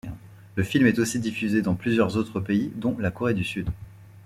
Le film est aussi diffusé dans plusieurs autres pays dont la Corée du Sud.